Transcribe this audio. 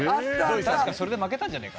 確かそれで負けたんじゃねえかな。